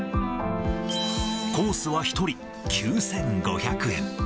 コースは１人９５００円。